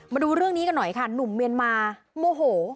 มาดูเรื่องนี้กันหน่อยค่ะหนุ่มเมียนมาโมโห